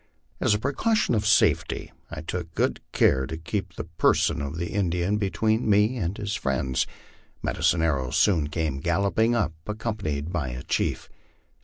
As a precaution of safety, I took good care to keep the person of the Indian between me and his friends. Med icine Arrow soon came galloping up accompanied by a chief.